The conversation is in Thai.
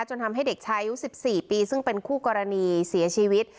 ทำให้เด็กชายอายุ๑๔ปีซึ่งเป็นคู่กรณีเสียชีวิต